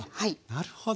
なるほど。